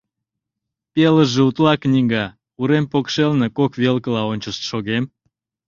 Пелыже утла — книга, урем покшелне кок велкыла ончышт шогем.